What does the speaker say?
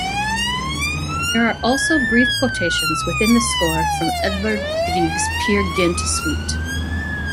There are also brief quotations within the score from Edvard Grieg's Peer Gynt Suite.